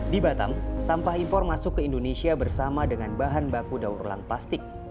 di batam sampah impor masuk ke indonesia bersama dengan bahan baku daur ulang plastik